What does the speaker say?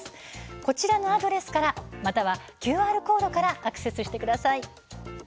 こちらのアドレスまたはＱＲコードからアクセスしてください。